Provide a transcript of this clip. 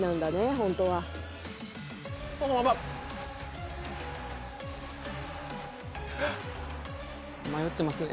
ホントはそのまま迷ってますね